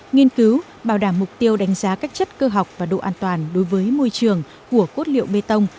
nghiên cứu bảo đảm mục tiêu đánh giá các chất cơ học và độ an toàn đối với môi trường của cốt liệu bê tông